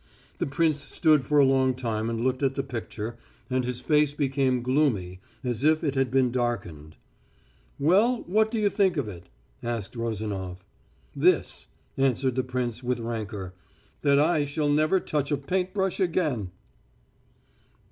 The prince stood for a long time and looked at the picture, and his face became gloomy as if it had been darkened. "Well, what do you think of it?" asked Rozanof. "This " answered the prince, with rancour, "that I shall never touch a paint brush again."